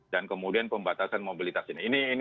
dan kemudian pembatasan mobilitas ini